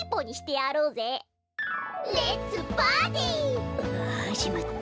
ああはじまった。